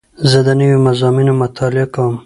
زه د نوو مضامینو مطالعه کوم.